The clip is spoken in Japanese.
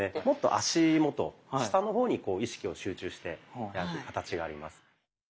もっと足元下の方に意識を集中してやる形があります。